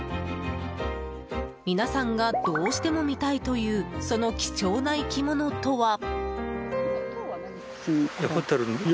皆さんがどうしても見たいというその貴重な生き物とは？